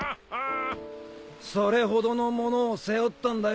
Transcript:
それほどのものを背負ったんだ